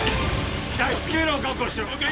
脱出経路を確保しろＯＫ